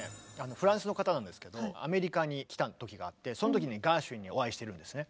フランスの方なんですけどアメリカに来た時があってその時にガーシュウィンにお会いしてるんですね。